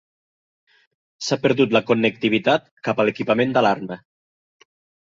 S'ha perdut la connectivitat cap a l'equipament d'alarma.